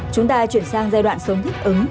chúng ta chuyển sang giai đoạn sống thích ứng